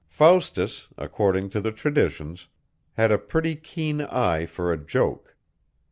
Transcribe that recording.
Faustus, according to the traditions, had a pretty keen eye for a joke.